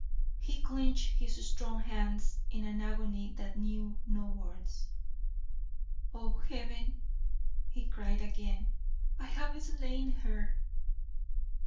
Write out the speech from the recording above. He clinched his strong hands in an agony that knew no words. "Oh, Heaven!" he cried again; "I have slain her!"